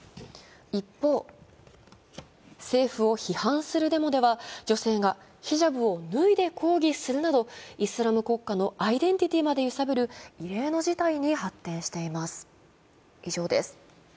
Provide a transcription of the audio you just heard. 一方、政府を批判するデモでは女性がヒジャブを脱いで抗議するなど、イスラム国家のアイデンティティまで揺さぶる異例の事態に発展しています。